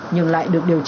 nhưng lại được điều chỉnh